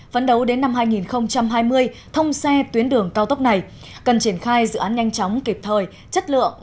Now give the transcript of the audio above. vấn đấu đến năm hai nghìn hai mươi thông xe tuyến đường cao tốc này cần triển khai dự án nhanh chóng kịp thời chất lượng